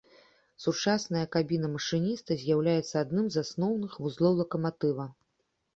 Сучасная кабіна машыніста з'яўляецца адным з асноўных вузлоў лакаматыва.